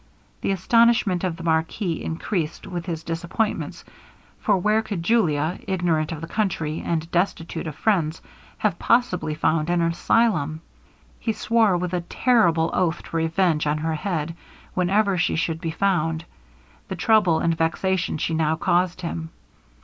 The astonishment of the marquis increased with his disappointments; for where could Julia, ignorant of the country, and destitute of friends, have possibly found an asylum? He swore with a terrible oath to revenge on her head, whenever she should be found, the trouble and vexation she now caused him.